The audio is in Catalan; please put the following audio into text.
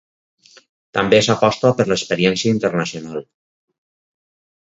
També s’aposta per l’experiència internacional.